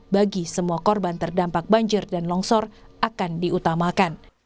bagi semua korban terdampak banjir dan longsor akan diutamakan